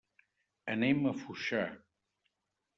Anem a Foixà.